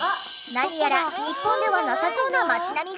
何やら日本ではなさそうな街並みが。